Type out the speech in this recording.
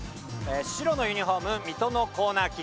白のユニホーム水戸のコーナーキック。